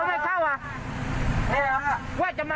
ไม่ช้าเขาบอกเลยใช่ไหม